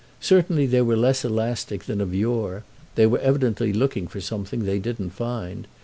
Certainly they were less elastic than of yore; they were evidently looking for something they didn't find.